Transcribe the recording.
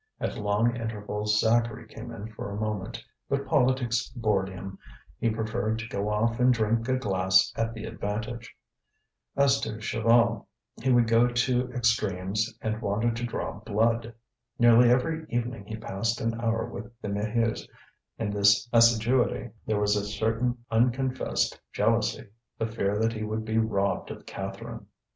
At long intervals Zacharie came in for a moment; but politics bored him, he preferred to go off and drink a glass at the Avantage. As to Chaval, he would go to extremes and wanted to draw blood. Nearly every evening he passed an hour with the Maheus; in this assiduity there was a certain unconfessed jealousy, the fear that he would be robbed of Catherine.